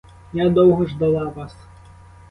Я довго ждала вас!